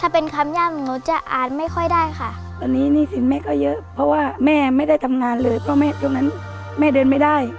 เพราะว่าแม่ไม่ได้ทำงานเลยเพราะตอนนั้นแม่เดินไม่ได้